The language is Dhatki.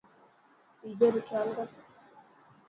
ٻيجي رو کيال ڪر.